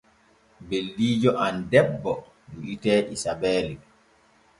Ɓeldiijo am debbo wi’etee Isabeeli.